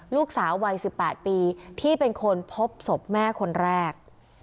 ลูกสาววัย๑๘ปีที่เป็นคนพบศพแม่คนแรก